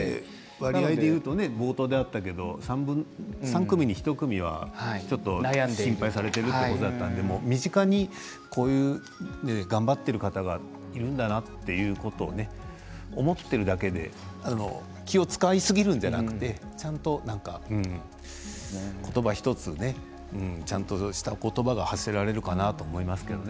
割合でいうと３組に１組はちょっと心配されているということだったので身近に頑張っている方がいるんだなっていうことを思っているだけで気を遣いすぎるのではなくてちゃんと言葉１つでちゃんとした言葉が発せられるかなと思いますけどね。